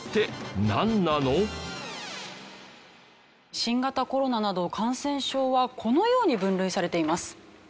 新型コロナなど感染症はこのように分類されています。